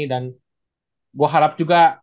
dan gua harap juga